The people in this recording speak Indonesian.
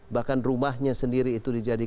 bahkan rumahnya sendiri itu dijadikan